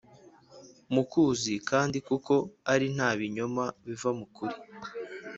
mukuzi kandi kuko ari nta binyoma biva mu kuri